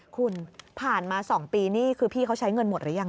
คุณผ่านมา๒ปีนี่คือพี่เขาใช้เงินหมดหรือยัง